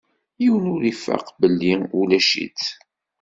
Yiwen ur ifaq belli ulac-itt.